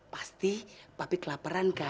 pasti papi kelaperan kan